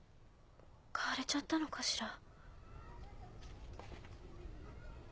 買われちゃったのかしら。